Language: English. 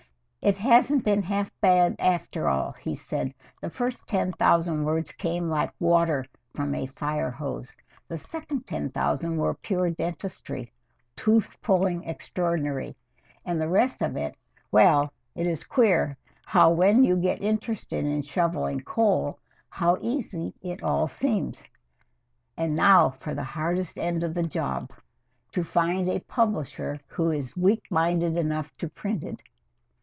"It hasn't been half bad, after all," he said. "The first ten thousand words came like water from a fire hose, the second ten thousand were pure dentistry, tooth pulling extraordinary, and the rest of it well, it is queer how when you get interested in shoveling coal how easy it all seems. And now for the hardest end of the job. To find a publisher who is weak minded enough to print it."